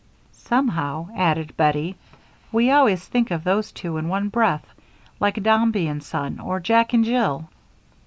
"Somehow," added Bettie, "we always think of those two in one breath, like Dombey and Son, or Jack and Jill."